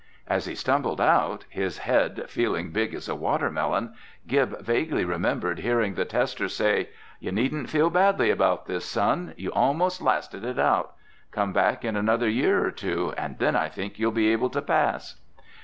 As he stumbled out, his head feeling big as a watermelon, Gib vaguely remembered hearing the tester say: "You needn't feel badly about this, son. You almost lasted it out. Come back in another year or two and then I think you'll be able to pass."